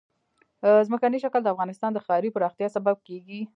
ځمکنی شکل د افغانستان د ښاري پراختیا سبب کېږي.